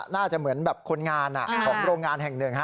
น่าจะเหมือนคนงานหลงงานแห่งหนึ่ง